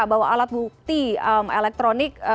bahwa alat bukti elektronik